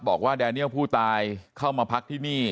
แดเนียลผู้ตายเข้ามาพักที่นี่